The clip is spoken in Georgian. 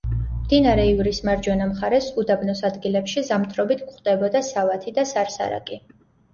მდინარე ივრის მარჯვენა მხარეს უდაბნოს ადგილებში ზამთრობით გვხვდებოდა სავათი და სარსარაკი.